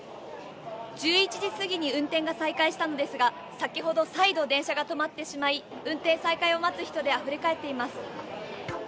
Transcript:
１１時過ぎに運転が再開したのですが、先ほど再度、電車が止まってしまい、運転再開を待つ人であふれ返っています。